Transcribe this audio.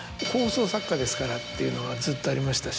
ですからっていうのがずっとありましたし。